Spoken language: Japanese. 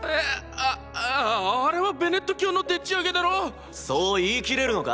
⁉あっあああれはベネット教のでっちあげだろ⁉そう言い切れるのか？